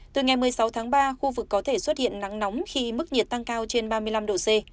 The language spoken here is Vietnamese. từ ngày một mươi sáu tháng ba khu vực có thể xuất hiện nắng nóng khi mức nhiệt tăng cao trên ba mươi năm độ c